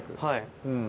はい。